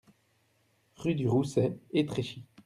Rue du Roussay, Étréchy